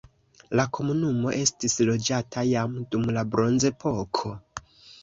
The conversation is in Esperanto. La komunumo estis loĝata jam dum la bronzepoko.